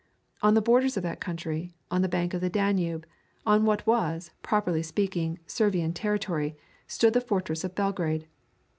On the borders of that country, on the bank of the Danube, on what was, properly speaking Servian territory, stood the fortress of Belgrade.